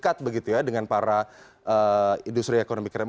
dekat begitu ya dengan para industri ekonomi kreatif